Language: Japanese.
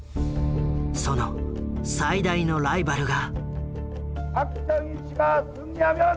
その最大のライバルが。